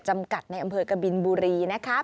จำกัดในอำเภอกบินบุรีนะคะ